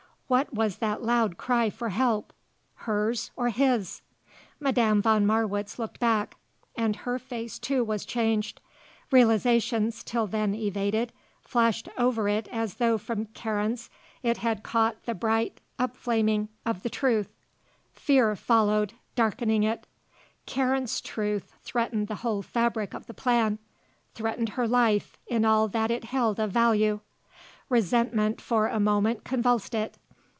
What was that loud cry for help, hers or his? Madame von Marwitz looked back and her face, too, was changed. Realizations, till then evaded, flashed over it as though from Karen's it caught the bright up flaming of the truth. Fear followed, darkening it. Karen's truth threatened the whole fabric of the plan, threatened her life in all that it held of value. Resentment for a moment convulsed it.